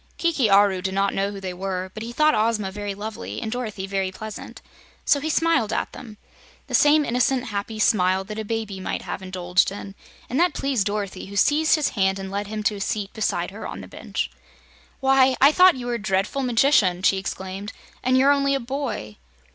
Kiki Aru did not know who they were, but he thought Ozma very lovely and Dorothy very pleasant. So he smiled at them the same innocent, happy smile that a baby might have indulged in, and that pleased Dorothy, who seized his hand and led him to a seat beside her on the bench. "Why, I thought you were a dreadful magician," she exclaimed, "and you're only a boy!"